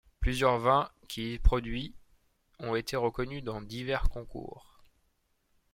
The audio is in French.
Plusieurs vins qui y produits ont été reconnus dans divers concours.